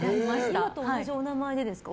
今と同じお名前ですか？